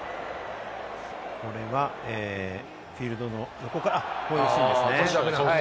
これはフィールドの横から、このシーンですね。